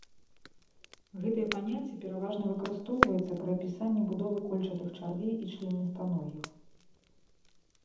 Гэтае паняцце пераважна выкарыстоўваецца пры апісанні будовы кольчатых чарвей і членістаногіх.